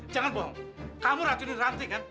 jangan bohong kamu racunin ranti kan